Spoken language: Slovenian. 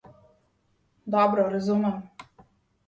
Dobro razumem.